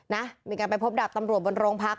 นะมีการไปพบดาบตำรวจบนโรงพัก